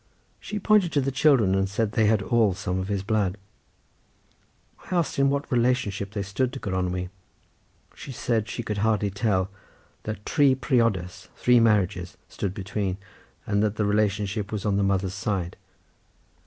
She pointed to the children and said they had all some of his blood. I asked in what relationship they stood to Gronwy. She said she could hardly tell, that tri priodas three marriages stood between, and that the relationship was on the mother's side.